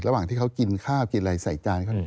ระหว่างที่เขากินข้าวกินอะไรใส่จานเขา